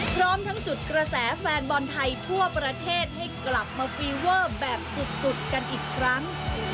พร้อมทั้งจุดกระแสแฟนบอลไทยทั่วประเทศให้กลับมาฟีเวอร์แบบสุดกันอีกครั้ง